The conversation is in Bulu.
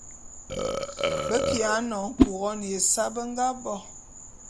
Be kiya nyoñe Couronne ya ésae be nga bo.